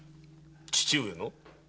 父上の？